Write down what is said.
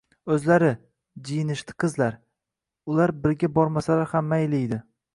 -O’zlari. – Jiyinishdi qizlar. – Ular birga bormasalar ham mayliydi.